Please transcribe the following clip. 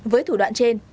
với thủ đoạn trên